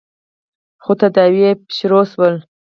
خو تداوې يې پیل شول.